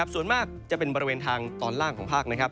ส่วนมากจะเป็นบริเวณทางตอนล่างของภาค